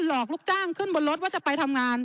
หลอกลูกจ้างขึ้นบนรถว่าจะไปทำงาน